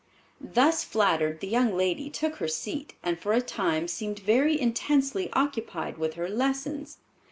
Thus flattered, the young lady took her seat and for a time seemed very intensely occupied with her lessons.